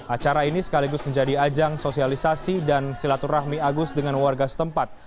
acara ini sekaligus menjadi ajang sosialisasi dan silaturahmi agus dengan warga setempat